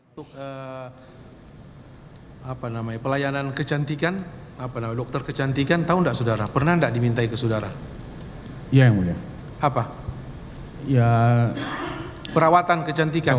sejumlah saksi yang dihadirkan mengaku terpaksa mengikuti arahan pimpinan syahrul dari pembelian jam tangan hingga perawatan kecantikan